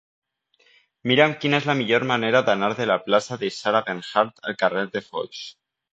Mira'm quina és la millor manera d'anar de la plaça de Sarah Bernhardt al carrer de Foix.